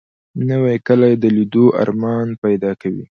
نوې کلی د لیدو ارمان پیدا کوي